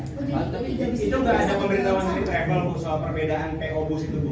tapi jadi itu gak ada pemberitahuan dari travel soal perbedaan po bus itu bu